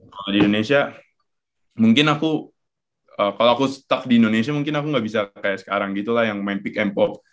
kalau di indonesia mungkin kalau aku stuck di indonesia mungkin aku nggak bisa kayak sekarang gitu lah yang main pick m pop